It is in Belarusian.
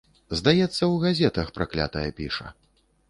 Здаецца, у газетах, праклятая, піша.